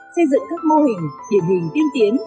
xây dựng các mô hình điển hình tiên tiến